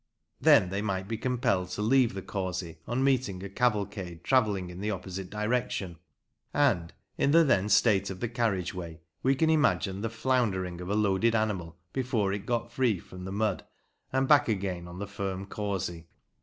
Then they might be compelled to leave the causey on meeting a cavalcade travelling in the opposite direction; and, in the then state of the carriage way, we can imagine the floundering of a loaded animal before it got free from the mud and back again on the firm causey.